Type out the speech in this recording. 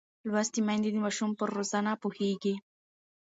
لوستې میندې د ماشوم پر روزنه پوهېږي.